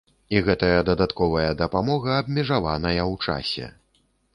І гэтая дадатковая дапамога абмежаваная ў часе.